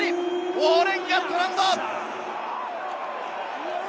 ウォーレン・ガットランド！